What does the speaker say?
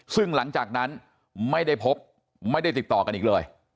ซึ่งหลังจากนั้นไม่ได้พบไม่ได้ติดต่อกันอีกเลย